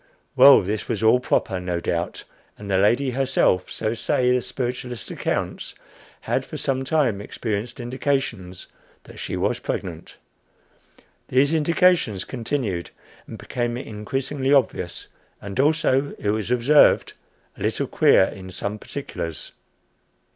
Well, this was all proper, no doubt, and the lady herself so say the spiritualist accounts had for some time experienced indications that she was pregnant. These indications continued, and became increasingly obvious, and also, it was observed, a little queer in some particulars.